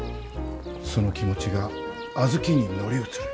その気持ちが小豆に乗り移る。